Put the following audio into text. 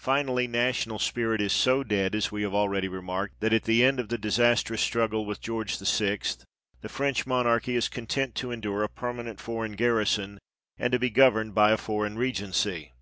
Finally, national spirit is so dead, as we have already remarked, THE EDITOR'S PREFACE. xv that at the end of the disastrous struggle with George VI., the French monarchy is content to endure a permanent foreign garrison, and to be governed by a foreign regency.